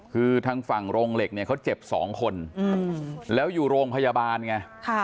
คือทางฝั่งโรงเหล็กเนี่ยเขาเจ็บ๒คนแล้วอยู่โรงพยาบาลไง